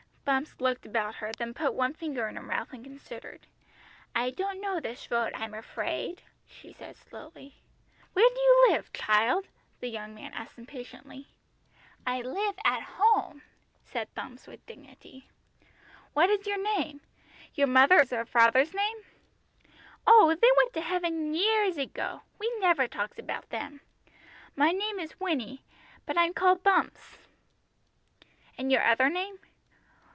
Bumps looked about her, then put one finger in her mouth and considered. "I don't know this road, I'm afraid," she said slowly. "Where do you live, child?" the young man asked impatiently. "I live at home," said Bumps with dignity. "What is your name? Your mother's or father's name?" "Oh, they went to heaven years ago, we never talks about them. My name is Winnie, but I'm called Bumps." "And your other name?"